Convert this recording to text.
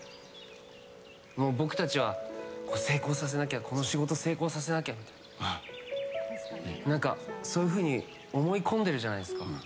僕たちは成功させなきゃこの仕事、成功させなきゃってそういうふうに思い込んでるじゃないですか。